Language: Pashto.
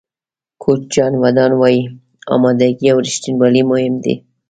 کوچ جان ووډن وایي آمادګي او رښتینولي مهم دي.